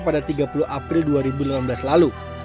pada tiga puluh april dua ribu delapan belas lalu